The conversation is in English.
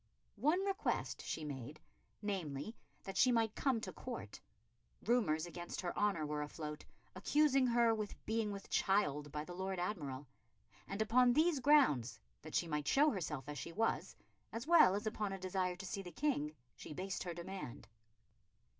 One request she made, namely, that she might come to Court. Rumours against her honour were afloat, accusing her with being with child by the Lord Admiral; and upon these grounds, that she might show herself as she was, as well as upon a desire to see the King, she based her demand.